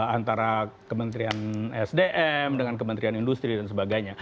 antara kementerian sdm dengan kementerian industri dan sebagainya